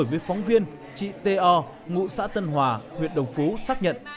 với phóng viên chị t o ngụ xã tân hòa huyện đồng phú xác nhận